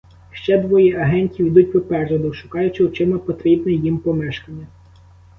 Ще двоє агентів ідуть попереду, шукаючи очима потрібне їм помешкання.